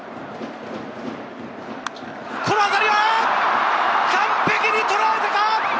この当たりは、完璧にとらえたか？